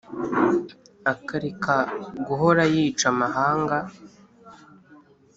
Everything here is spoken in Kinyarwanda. akareka guhora yica amahanga’